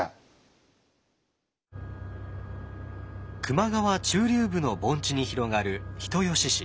球磨川中流部の盆地に広がる人吉市。